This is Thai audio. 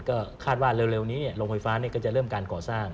ก็คาดว่าเร็วนี้โรงไฟฟ้าก็จะเริ่มการก่อสร้าง